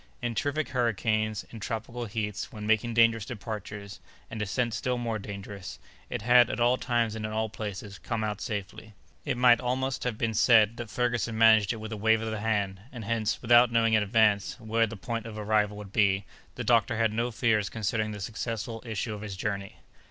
In terrific hurricanes, in tropical heats, when making dangerous departures, and descents still more dangerous, it had, at all times and in all places, come out safely. It might almost have been said that Ferguson managed it with a wave of the hand; and hence, without knowing in advance, where the point of arrival would be, the doctor had no fears concerning the successful issue of his journey.